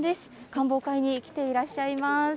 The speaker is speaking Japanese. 観望会に来ていらっしゃいます。